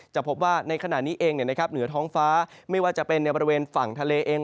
จะพบว่าในขณะนี้เองเหนือท้องฟ้าไม่ว่าจะเป็นในบริเวณฝั่งทะเลเอง